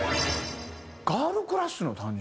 ガールクラッシュの誕生？